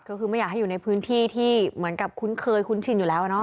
ก็คือไม่อยากให้อยู่ในพื้นที่ที่เหมือนกับคุ้นเคยคุ้นชินอยู่แล้วเนาะ